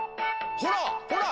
ほらほら